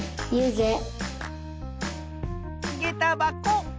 げたばこ。